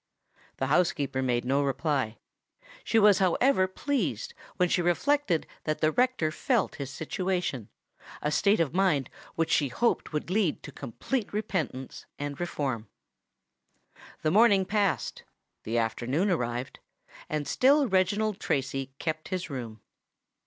The housekeeper made no reply: she was however pleased when she reflected that the rector felt his situation—a state of mind which she hoped would lead to complete repentance and reform. The morning passed: the afternoon arrived: and still Reginald Tracy kept his room.